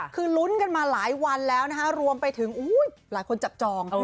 คือลุ้นกันมาหลายวันแล้วนะคะรวมไปถึงหลายคนจับจอง